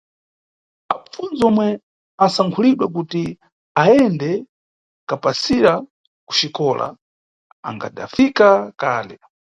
Apfundzi omwe asankhulidwa kuti ayende kapsayira kuxikola akhadafika kale.